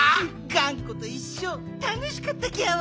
がんこといっしょたのしかったギャオ。